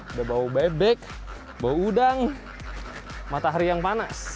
udah bau bebek bau udang matahari yang panas